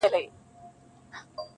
• زېری به راسي د پسرلیو -